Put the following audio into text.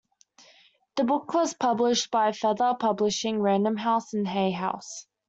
The book was published by Feather Publishing, Random House, and Hay House.